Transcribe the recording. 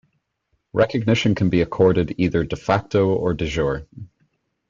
Recognition can be accorded either "de facto" or "de jure".